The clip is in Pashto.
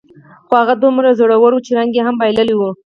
خو هغه دومره زوړ و، چې رنګ یې هم بایللی و.